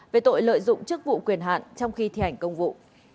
về tội lợi dụng chức vụ quyền hạn trong khi thi hành công vụ